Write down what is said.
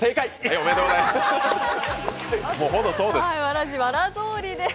おめでとうございます。